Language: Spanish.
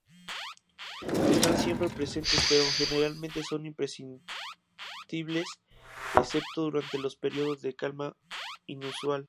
Están siempre presentes, pero generalmente son imperceptibles, excepto durante los períodos de calma inusual.